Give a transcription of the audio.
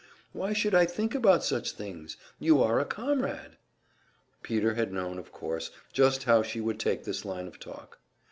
Why should I think about such things? You are a comrade!" Peter had known, of course, just how she would take this line of talk.